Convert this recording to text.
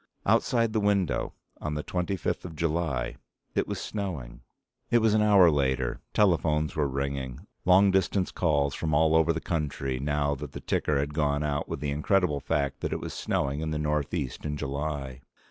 Outside the window on the twenty fifth of July it was snowing. It was an hour later. Telephones were ringing. Long distance calls from all over the country now that the ticker had gone out with the incredible fact that it was snowing in the Northeast in July.